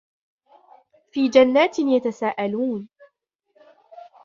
فِي جَنَّاتٍ يَتَسَاءَلُونَ